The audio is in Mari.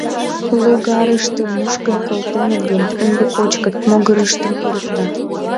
Логарыштым мушкын колтеныт гын, ынде кочкыт, могырыштым ырыктат.